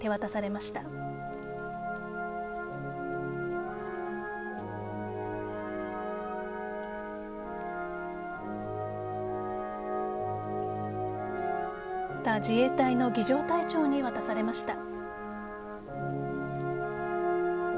また、自衛隊の儀仗隊長に渡されました。